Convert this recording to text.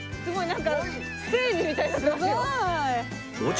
なんかステージみたいになってますよ。